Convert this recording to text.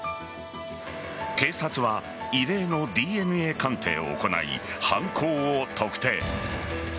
警察は異例のＤＮＡ鑑定を行い犯行を特定。